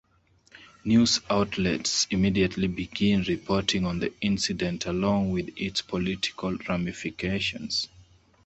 News outlets immediately begin reporting on the incident along with its political ramifications.